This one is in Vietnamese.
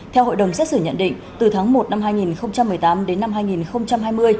theo hội đồng xét xử nhận định từ tháng một năm hai nghìn một mươi tám đến năm hai nghìn hai mươi